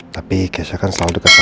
tapi kesya kan selalu deket sama omanya